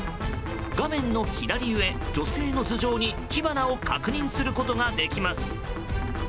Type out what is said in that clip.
画面の左上、女性の頭上に火花を確認することができます。